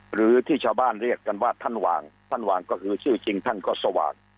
หรือที่ชาวบ้านเรียกกันว่าท่านวางท่านวางก็คือชื่อจริงท่านก็สว่าง